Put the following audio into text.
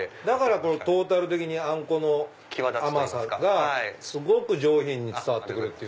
だからトータル的にあんこの甘さがすごく上品に伝わって来る。